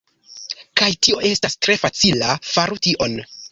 Kaj tio estas tre facila faru tion